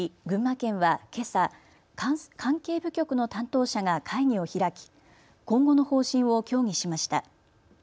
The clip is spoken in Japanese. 群馬県はけさ、関係部局の担当者が会議を開き今後の方針を協議しました。